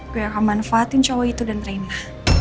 gue akan manfaatin cowok itu dan terima